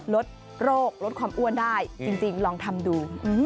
ลดโรคลดความอ้วนได้จริงลองทำดู